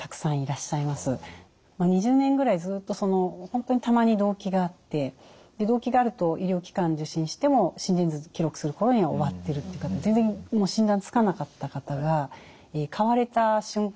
２０年ぐらいずっと本当にたまに動悸があって動悸があると医療機関受診しても心電図記録する頃には終わってるっていう方全然診断つかなかった方が買われた瞬間